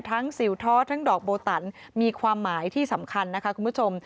สิวท้อทั้งดอกโบตันมีความหมายที่สำคัญนะคะคุณผู้ชม